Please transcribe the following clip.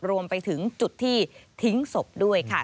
รวมไปถึงจุดที่ทิ้งศพด้วยค่ะ